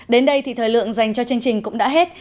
đến đây thì thời lượng dành cho chương trình cũng đã hết